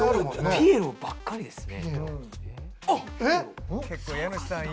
ピエロばっかりですね。